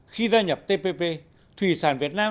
khi gia nhập tpp thủy sản việt nam